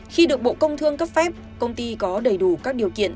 khi được bộ công thương cấp phép công ty có đầy đủ các điều kiện